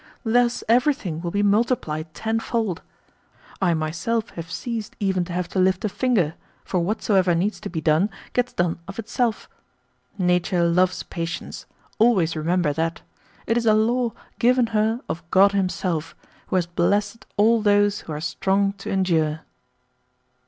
Thus everything will be multiplied tenfold. I myself have ceased even to have to lift a finger, for whatsoever needs to be done gets done of itself. Nature loves patience: always remember that. It is a law given her of God Himself, who has blessed all those who are strong to endure."